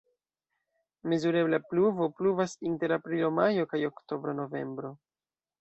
Mezurebla pluvo pluvas inter aprilo-majo kaj oktobro-novembro.